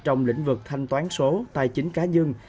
trong lĩnh vực thanh toán số tài chính cá nhân